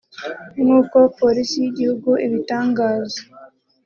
nk’uko Polisi y’igihugu ibitangaza